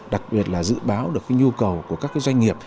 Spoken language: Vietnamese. đặc biệt là dự báo được cái nhu cầu của các cái doanh nghiệp